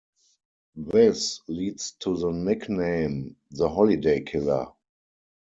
This leads to the nickname "The Holiday Killer".